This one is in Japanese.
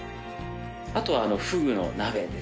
あとはフグの鍋ですね。